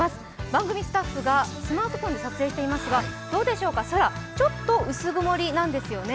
番組スタッフがスマートフォンで撮影していますがどうでしょうか、空、ちょっと薄曇りなんですよね。